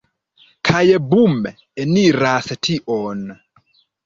Kaj bum! Eniras tion.